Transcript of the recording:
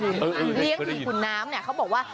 เลี้ยงผีขุนน้ำเขาบอกว่า